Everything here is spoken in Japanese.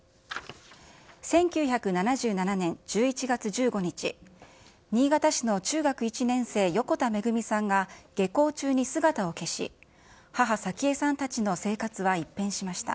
１９７７年１１月１５日、新潟市の中学１年生、横田めぐみさんが下校中に姿を消し、母、早紀江さんたちの生活は一変しました。